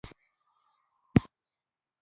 نن مې د کور زاړه لوښي صفا کړل.